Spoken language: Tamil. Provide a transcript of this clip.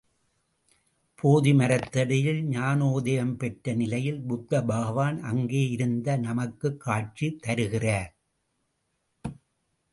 போதி மரத்தடியில் ஞானோதயம் பெற்ற நிலையில் புத்த பகவான் அங்கே இருந்து நமக்குக் காட்சி தருகிறார்.